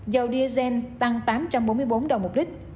dầu diesel tăng tám trăm bốn mươi bốn đồng một lít